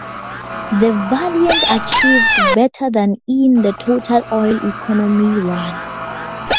A Valiant achieved better than in the Total Oil Economy Run.